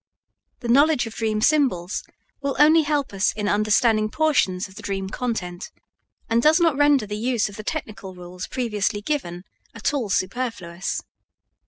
The knowledge of dream symbols will only help us in understanding portions of the dream content, and does not render the use of the technical rules previously given at all superfluous.